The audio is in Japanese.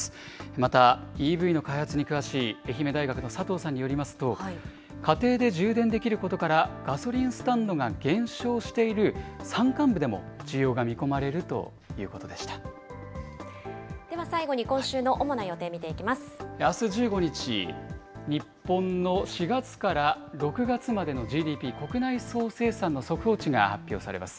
またＥＶの開発に詳しい愛媛大学の佐藤さんによりますと、家庭で充電できることから、ガソリンスタンドが減少している山間部でも需要が見込まれるといでは最後に今週の主な予定、あす１５日、日本の４月から６月までのＧＤＰ・国内総生産の速報値が発表されます。